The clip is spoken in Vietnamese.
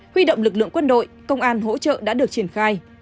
huy động lực lượng quân đội công an hỗ trợ đã được triển khai